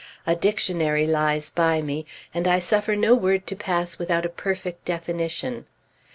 A dictionary lies by me, and I suffer no word to pass without a perfect definition.